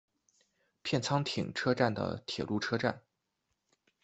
片仓町车站的铁路车站。